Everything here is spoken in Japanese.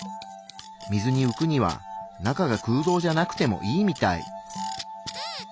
水にうくには中が空洞じゃなくてもいいみたい。